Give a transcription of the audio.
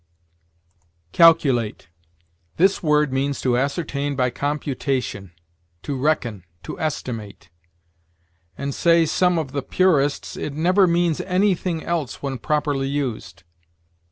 CALCULATE. This word means to ascertain by computation, to reckon, to estimate; and, say some of the purists, it never means anything else when properly used.